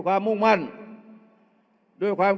เอาข้างหลังลงซ้าย